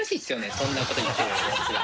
そんなこと言ってるやつは。